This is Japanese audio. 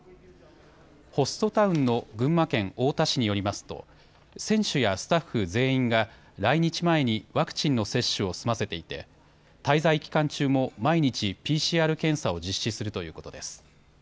ホストタウンの群馬県太田市によりますと選手やスタッフ全員が来日前にワクチンの接種を済ませていて滞在期間中も毎日ＰＣＲ検査を実施するということです。